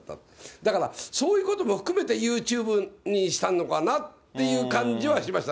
だから、そういうことも含めて、ユーチューブにしたのかなっていう感じはしました。